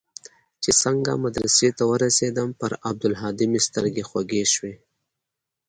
چې څنگه مدرسې ته ورسېدم پر عبدالهادي مې سترګې خوږې سوې.